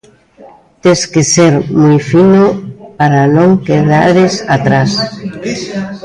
"Tes que ser moi fino para non quedares atrás".